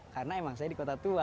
karena emang saya di kota tua